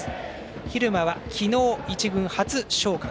蛭間は昨日１軍初昇格。